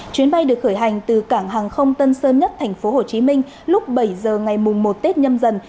chuyến bay được khởi hành từ cảng hàng không tân sơn nhất tp hcm lúc bảy giờ ngày mùng một tết nhâm dần